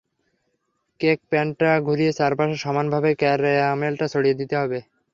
Cake প্যানটা ঘুরিয়ে চারপাশে সমান ভাবে ক্যারামেলটা ছড়িয়ে দিতে হবে।